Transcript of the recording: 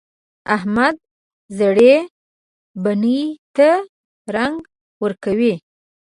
احمد زړې بنۍ ته رنګ ورکوي.